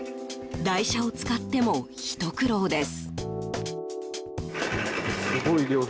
台車を使っても、ひと苦労です。